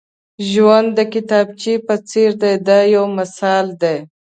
ژوند د کتابچې په څېر دی دا یو مثال دی.